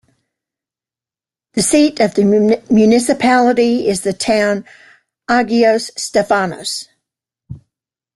The seat of the municipality is the town Agios Stefanos.